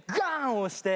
押して。